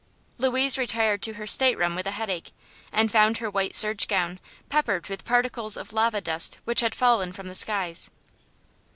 Louise retired to her stateroom with a headache, and found her white serge gown peppered with particles of lava dust which had fallen from the skies.